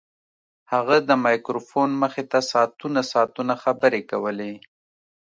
هغه د مایکروفون مخې ته ساعتونه ساعتونه خبرې کولې